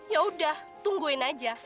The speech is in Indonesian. yaudah tungguin aja